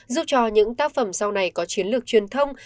giúp cho những tác phẩm sau này có chiến lược truyền thông